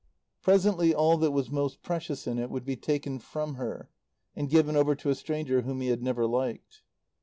Presently all that was most precious in it would be taken from her and given over to a stranger whom he had never liked.